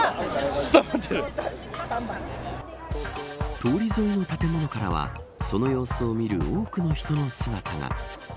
通り沿いの建物からはその様子を見る多くの人の姿が。